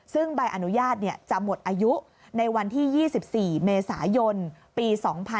ซึ่งใบอนุญาตจะหมดอายุในวันที่๒๔เมษายนปี๒๕๖๒